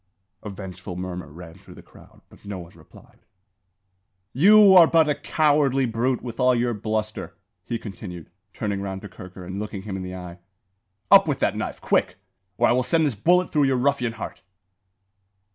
A vengeful murmur ran through the crowd, but no one replied. "You are but a cowardly brute, with all your bluster," he continued, turning round to Kirker, and looking him in the eye. "Up with that knife! quick! or I will send this bullet through your ruffian heart!"